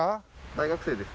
大学生です。